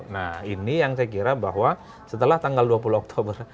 nah ini yang saya kira bahwa setelah tanggal dua puluh oktober